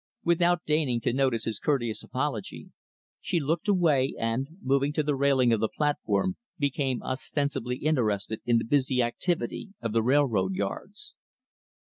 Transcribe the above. Without deigning to notice his courteous apology, she looked away, and, moving to the railing of the platform, became ostensibly interested in the busy activity of the railroad yards.